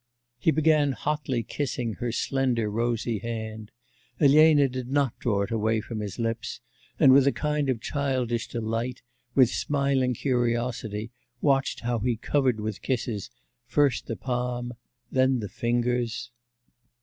He began hotly kissing her slender, rosy hand. Elena did not draw it away from his lips, and with a kind of childish delight, with smiling curiosity, watched how he covered with kisses, first the palm, then the fingers....